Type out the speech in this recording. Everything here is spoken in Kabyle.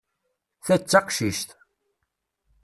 Ta d taqcict.